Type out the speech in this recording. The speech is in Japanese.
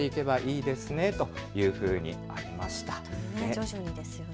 徐々にですね。